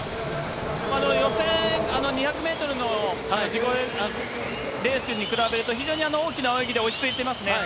予選、２００メートルのレースに比べると、非常に大きな泳ぎで落ち着いてますね。